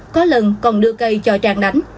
có lần còn đưa cây cho trang đánh